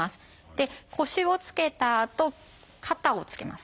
で腰をつけたあと肩をつけます。